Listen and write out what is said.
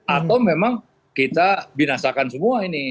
atau memang kita binasakan semua ini